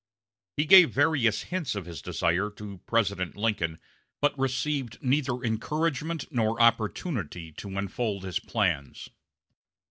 He gave various hints of his desire to President Lincoln, but received neither encouragement nor opportunity to unfold his plans.